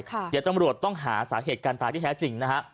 เดี๋ยวตำรวจต้องหาสาเหตุการตายที่แท้จริงนะฮะ